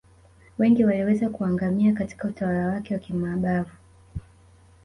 Wengi waliweza kuangamia Katika utawala wake wa kimabavu